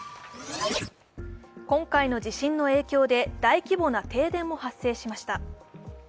今回の地震の影響で大規模な停電も発生しました。